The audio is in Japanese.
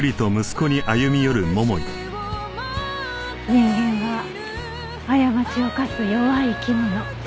人間は過ちを犯す弱い生き物。